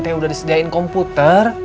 teh udah disediain komputer